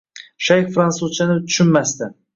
Shayx fransuzchani tushunmasdi